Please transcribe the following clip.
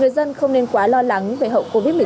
người dân không nên quá lo lắng về hậu covid một mươi chín